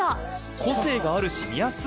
個性があるし、見やすい。